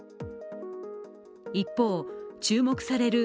一方、注目される